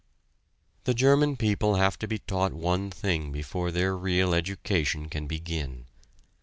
The German people have to be taught one thing before their real education can begin.